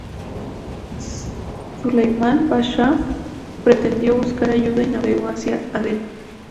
Sulaimán Pasha pretendió buscar ayuda y navegó hacia Aden.